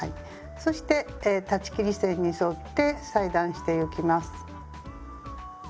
そして裁ち切り線に沿って裁断してゆきます。